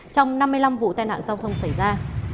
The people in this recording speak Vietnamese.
trong năm mươi năm vụ tai nạn giao thông xảy ra